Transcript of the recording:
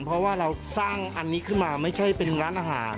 เพราะว่าเราสร้างอันนี้ขึ้นมาไม่ใช่เป็นร้านอาหาร